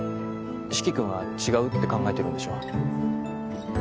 四鬼君は違うって考えてるんでしょ？